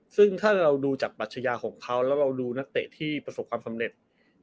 ซึ่งถ้าเราดูจากปัชญาของเขาแล้วเราดูนักเตะที่ประสบความสำเร็จ